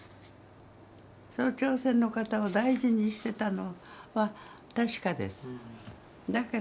その朝鮮の方を大事にしてたのは確かです。